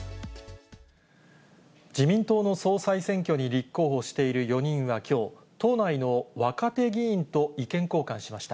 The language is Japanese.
自民党の総裁選挙に立候補している４人はきょう、党内の若手議員と意見交換しました。